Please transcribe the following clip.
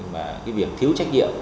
cái việc thiếu trách nhiệm